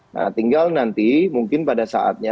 nah tinggal nanti mungkin pada saatnya